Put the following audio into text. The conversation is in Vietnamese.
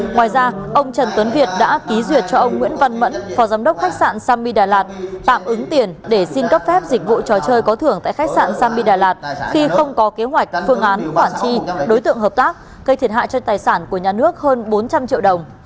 ngoài ra ông trần tuấn việt đã ký duyệt cho ông nguyễn văn mẫn phó giám đốc khách sạn sami đà lạt tạm ứng tiền để xin cấp phép dịch vụ trò chơi có thưởng tại khách sạn sami đà lạt khi không có kế hoạch phương án khoản chi đối tượng hợp tác gây thiệt hại cho tài sản của nhà nước hơn bốn trăm linh triệu đồng